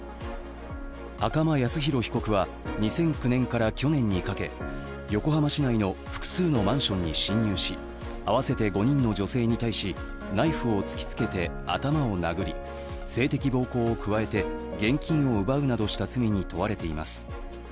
赤間靖浩被告は２００９年から去年にかけ横浜市内の複数のマンションに侵入し合わせて５人の女性に対し、ナイフを突きつけて頭を殴り性的暴行を加えて、現金を奪うなどした罪に問われています。